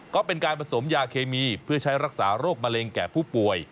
ก็เป็นการผสมยาเคมีเพื่อใช้รักษาโรคมะเร็งแก่ผู้ป่วย